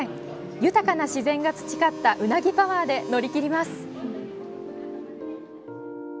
豊かな自然が培ったうなぎパワーで乗り切ります。